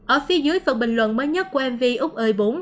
ở phía dưới phần bình luận mới nhất của mv úc oi bốn